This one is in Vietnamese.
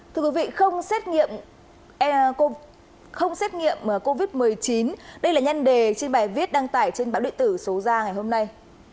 thưa quý vị không xét nghiệm covid một mươi chín đây là nhân đề trên bài viết đăng tải trên bản luyện tử số gia ngày hôm nay